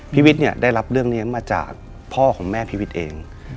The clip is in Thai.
วิทย์เนี่ยได้รับเรื่องนี้มาจากพ่อของแม่พีวิทย์เอง